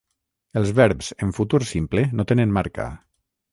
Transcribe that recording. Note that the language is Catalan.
Els verbs en futur simple no tenen marca.